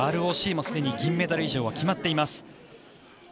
ＲＯＣもすでに銀メダル以上は決まっています。